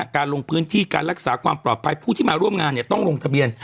การลงพื้นที่การรักษาความปลอดภัยผู้ที่มาร่วมงานต้องลงทะเบียน